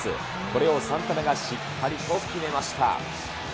これをサンタナがしっかりと決めました。